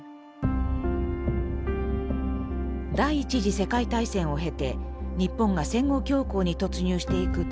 第１次世界大戦を経て日本が戦後恐慌に突入していく大正時代。